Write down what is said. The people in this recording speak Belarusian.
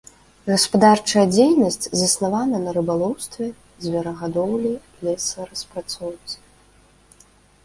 Гаспадарчая дзейнасць заснавана на рыбалоўстве, зверагадоўлі, лесараспрацоўцы.